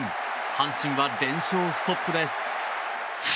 阪神は連勝ストップです。